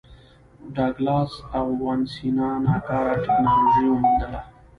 ډاګلاس او وانسینا ناکاره ټکنالوژي وموندله.